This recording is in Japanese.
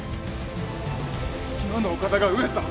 今のお方が上様とは！